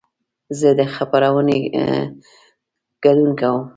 زه د خپرونې ګډون کوم.